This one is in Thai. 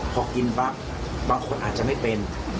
พอกินปั๊บบางคนอาจจะไม่เป็น